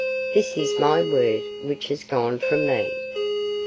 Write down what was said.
This is my Word which has gone from me."